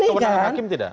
itu kewenangan hakim tidak